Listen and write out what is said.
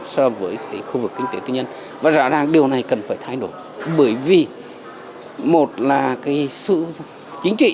so với khu vực kinh tế tư nhân và rõ ràng điều này cần phải thay đổi bởi vì một là cái sự chính trị